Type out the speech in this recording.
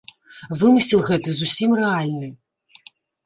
Вымысел гэты зусім рэальны.